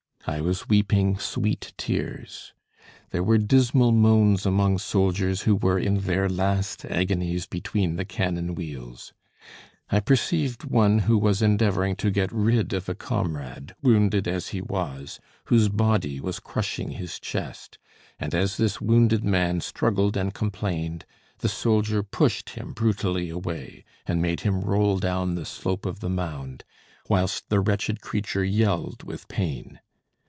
I was weeping sweet tears. There were dismal moans among soldiers who were in their last agonies between the cannon wheels. I perceived one who was endeavoring to get rid of a comrade, wounded as he was, whose body was crushing his chest; and, as this wounded man struggled and complained, the soldier pushed him brutally away, and made him roll down the slope of the mound, whilst the wretched creature yelled with pain.